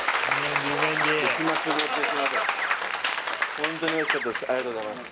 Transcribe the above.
本当においしかったです